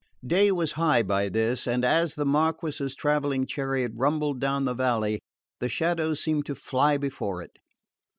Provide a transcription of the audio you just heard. Day was high by this, and as the Marquess's travelling chariot rumbled down the valley the shadows seemed to fly before it.